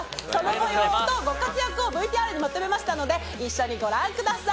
その模様とご活躍をＶＴＲにまとめましたので一緒にご覧ください。